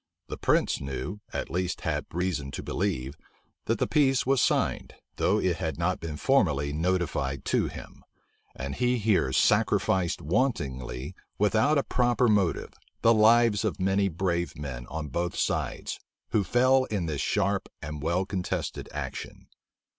The prince knew, at least had reason to believe, that the peace was signed, though it had not been formally notified to him; and he here sacrificed wantonly, without a proper motive, the lives of many brave men on both sides, who fell in this sharp and well contested action.